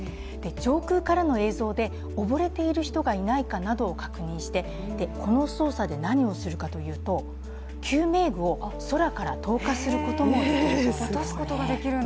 上空からの映像で、溺れている人がいないかなどを確認してこの操作で何をするかというと、救命具を空から投下することができるんですね。